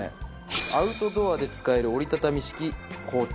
アウトドアで使える折り畳み式包丁。